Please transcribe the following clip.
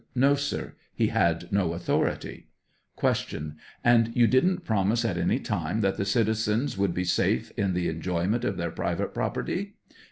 No, sir; he had no authority. Q. And you didn't promise at any time that the citizens would be safe in the enjoyment of their private property